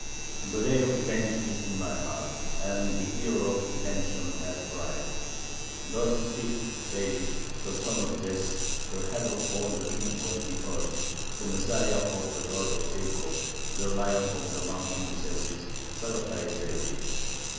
The day of revenge is in my heart, and the year of redemption hath arrived. Thus speaketh David, the son of Jesse, the head of all the kings of the earth.... the Messiah of the God of Jacob, the Lion of the mountain recesses, Sabbatai Zevi.